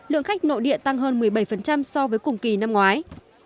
lượng khách nội địa tăng hơn một mươi bảy so với cùng kỳ năm ngoái